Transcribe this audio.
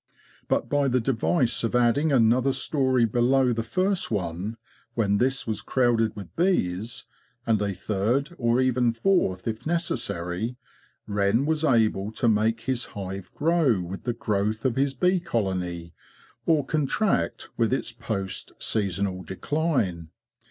But by the device of adding another story below the first one, when this was crowded with bees, and a third or even a fourth if necessary, Wren was able to make his hive grow with the growth of his bee colony or contract with its post seasonal decline.